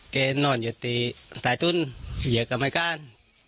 แกนอนอยู่ตีใต้ถุนเหยียกกับไม่ก้าน